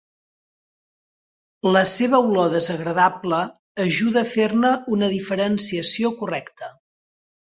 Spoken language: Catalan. La seva olor desagradable ajuda a fer-ne una diferenciació correcta.